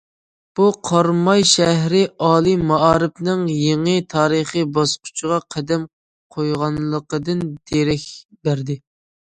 بۇ، قاراماي شەھىرى ئالىي مائارىپىنىڭ يېڭى تارىخىي باسقۇچقا قەدەم قويغانلىقىدىن دېرەك بەردى.